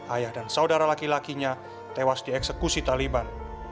ayah dan saudara laki lakinya tewas dieksekusi taliban